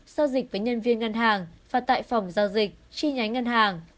giao dịch với nhân viên ngân hàng và tại phòng giao dịch chi nhánh ngân hàng